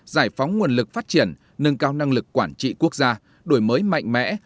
giải phóng nguồn lực phát triển nâng cao năng lực quản trị quốc gia đổi mới mạnh mẽ